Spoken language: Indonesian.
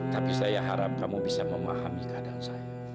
tapi saya harap kamu bisa memahami keadaan saya